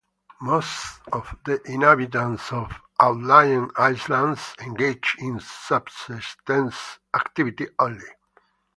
Most of the inhabitants of outlying islands engage in subsistence activity only.